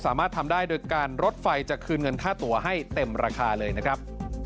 สามารถทำได้โดยการรถไฟจะคืนเงินค่าตัวให้เต็มราคาเลยนะครับ